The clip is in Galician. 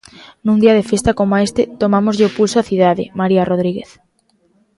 Nun día de festa coma este, tomámoslle o pulso á cidade, María Rodríguez.